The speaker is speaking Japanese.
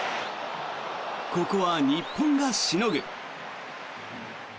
ここは日本がしのぐ。